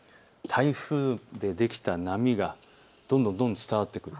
台風でできた波がどんどん伝わってくる。